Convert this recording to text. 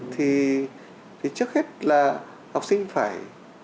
thì trước hết là học sinh phải